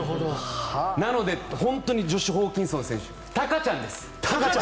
なので、本当にジョシュ・ホーキンソン選手タカちゃんです。